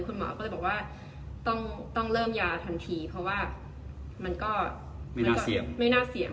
คุณหมอก็เลยบอกว่าต้องเริ่มยาทันทีเพราะว่ามันก็ไม่น่าเสี่ยง